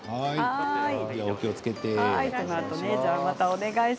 お気をつけて。